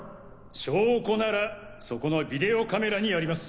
証拠ならそこのビデオカメラにあります。